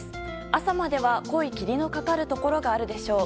朝までは濃い霧のかかるところがあるでしょう。